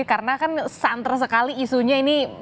karena kan santra sekali isunya ini